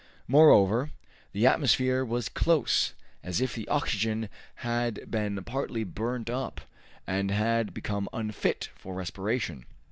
Moreover, the atmosphere was close, as if the oxygen had been partly burned up, and had become unfit for respiration.